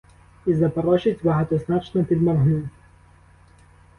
І запорожець багатозначно підморгнув.